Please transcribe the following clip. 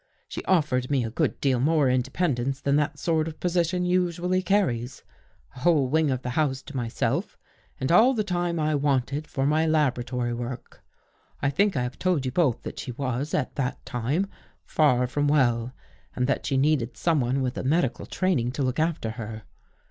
" She offered me a good deal more independence ^ than that sort of position usually carries — a whole | wing of the house to myself and all the time I I wanted for my laboratory work. I " I think I have told you both that she was, at I that time, far from well, and that she needed some } one with a medical training to look after her.